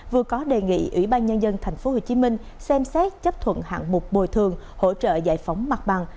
vừa có đề nghị ủy ban nhân dân tp hcm xem xét chấp thuận hạng mục bồi thường hỗ trợ giải phóng mặt bằng